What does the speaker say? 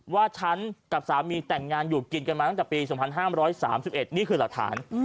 ว่าฉันกับสามีแต่งงานอยู่กินกันมาตั้งแต่ปี๒๕๓๑นี่คือหลักฐาน